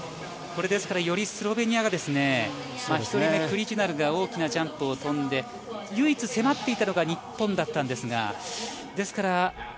ですからよりスロベニアが１人目、クリジュナルが大きなジャンプを飛んで唯一、迫っていたのが日本だったんですが、ですから。